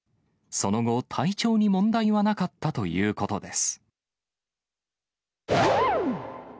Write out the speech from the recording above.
その後、体調に問題はなかったということです。